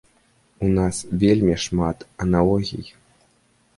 У нас вельмі шмат аналогій.